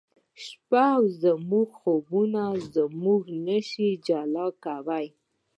شپه او زموږ خوبونه موږ نه شي جلا کولای